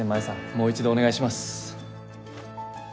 もう一度お願いします。